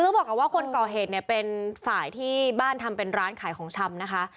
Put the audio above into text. ต้องบอกกันว่าค๔๐๑เป็นฝ่ายที่บ้านทำเป็นร้านขายของชำนะคะ